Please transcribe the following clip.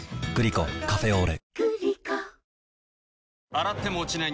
洗っても落ちない